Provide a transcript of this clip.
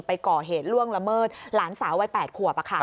ไปก่อเหตุล่วงละเมิดหลานสาววัย๘ขวบ